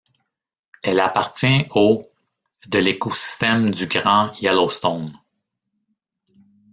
Elle appartient au de l'écosystème du Grand Yellowstone.